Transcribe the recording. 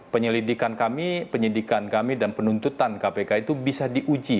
penyelidikan kami penyidikan kami dan penuntutan kpk itu bisa diuji